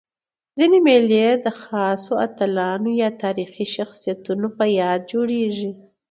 ځيني مېلې د خاصو اتلانو یا تاریخي شخصیتونو په یاد جوړيږي.